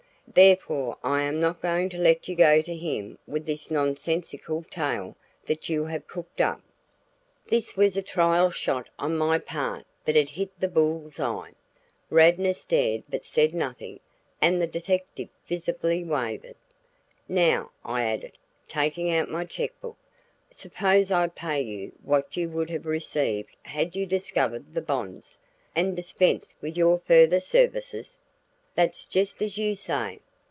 Therefore I am not going to let you go to him with this nonsensical tale that you have cooked up." This was a trial shot on my part but it hit the bull's eye. Radnor stared but said nothing; and the detective visibly wavered. "Now," I added, taking out my checkbook, "suppose I pay you what you would have received had you discovered the bonds, and dispense with your further services?" "That's just as you say.